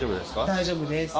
大丈夫です。